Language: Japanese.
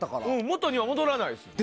元には戻らないですよね。